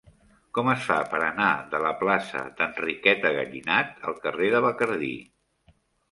Com es fa per anar de la plaça d'Enriqueta Gallinat al carrer de Bacardí?